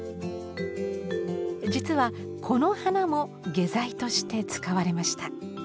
実はこの花も下剤として使われました。